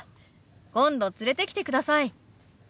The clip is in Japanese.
今度連れてきてください。